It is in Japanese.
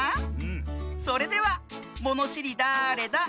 それでは「ものしりだれだ？」